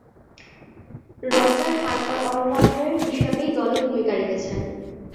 Roger Harper all rounder হিসেবেই দলে ভূমিকা রেখেছেন।